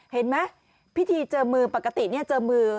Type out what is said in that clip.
เห็นไหมพิธีเจอมือปกติเนี่ยเจอมือ